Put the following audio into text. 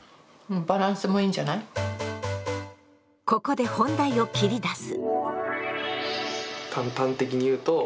ここで本題を切り出す。